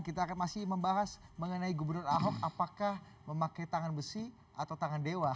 kita akan masih membahas mengenai gubernur ahok apakah memakai tangan besi atau tangan dewa